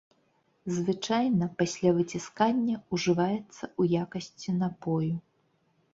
Звычайна, пасля выціскання, ужываецца ў якасці напою.